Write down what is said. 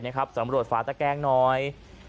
สำหรับโบราชฟ้าตะแกงน้อย